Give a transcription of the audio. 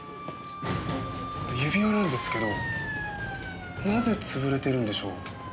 指輪なんですけどなぜ潰れてるんでしょう？